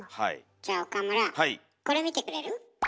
じゃあ岡村これ見てくれる？